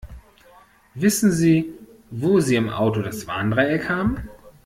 Wissen Sie, wo sie im Auto das Warndreieck haben?